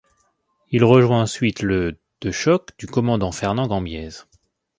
Il rejoint ensuite le de choc du commandant Fernand Gambiez.